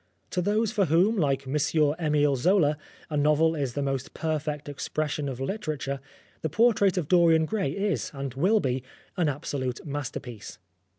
To those for whom, like M. fimile Zola, a novel is the most perfect expression of literature, The Portrait of Dorian Gray is, and will be, an absolute masterpiece.